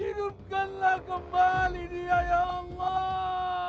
hidupkanlah kembali dia ya allah